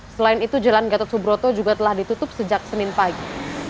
selain itu jalan gatot subroto juga telah ditutup sejak senin pagi